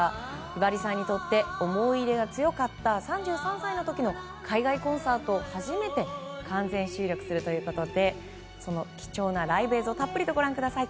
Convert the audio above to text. ひばりさんにとって思い入れが強かった３３歳の時の海外コンサートを初めて完全収録するということでその貴重なライブ映像たっぷりとご覧ください。